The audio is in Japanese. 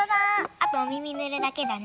あとおみみぬるだけだね。